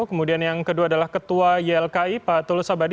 kemudian yang kedua adalah ketua ylki pak tulus abadi